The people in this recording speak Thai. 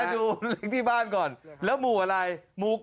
ดูเลขที่บ้านก่อนแล้วหมู่อะไรหมู่๙